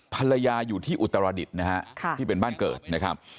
ภรรยาอยู่ที่อุตรดิษฐ์นะฮะที่เป็นบ้านเกิดนะครับ